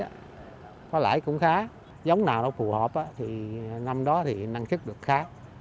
có lãi cũng khá giống nào nó phù hợp năm đó năng chất được khá